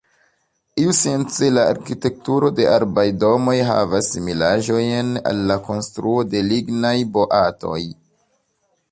Iusence la arkitekturo de arbaj domoj havas similaĵojn al la konstruo de lignaj boatoj.